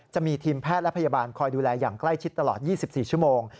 จะมีทีมแพทย์และพยาบาลคอยดูแลอย่างใกล้ชิดตลอด๒๔ชั่วโมง